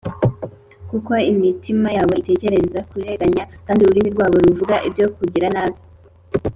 kuko imitima yabo itekereza kurenganya, kandi ururimi rwabo ruvuga ibyo kugira nabi